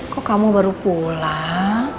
kok kamu baru pulang